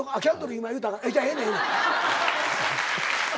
今言うたらあかんええねんええねん。